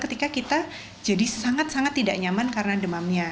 ketika kita jadi sangat sangat tidak nyaman karena demamnya